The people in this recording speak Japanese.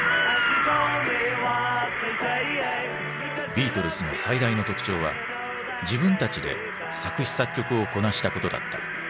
ビートルズの最大の特徴は自分たちで作詞作曲をこなしたことだった。